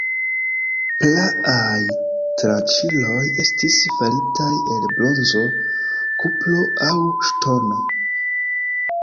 Praaj tranĉiloj estis faritaj el bronzo, kupro aŭ ŝtono.